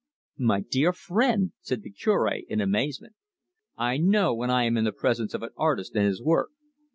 "My dear friend!" said the Cure, in amazement. "I know when I am in the presence of an artist and his work.